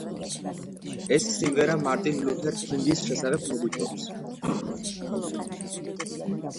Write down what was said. ეს სიმღერა მარტინ ლუთერ კინგის შესახებ მოგვითხრობს.